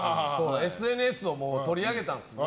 ＳＮＳを取り上げたんですよ。